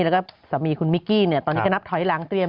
แล้วก็สามีคุณมิกกี้เนี่ยตอนนี้ก็นับถอยหลังเตรียม